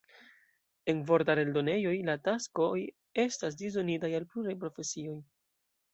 En vortar-eldonejoj la taskoj estas disdonitaj al pluraj profesioj.